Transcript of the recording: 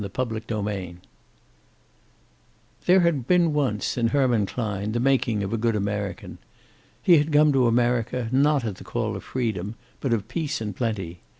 CHAPTER XVI There had been once, in Herman Klein the making of a good American. He had come to America, not at the call of freedom, but of peace and plenty.